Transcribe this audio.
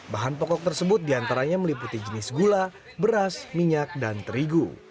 bahan pokok tersebut diantaranya meliputi jenis gula beras minyak dan terigu